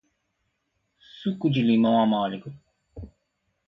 Suco de limão amargo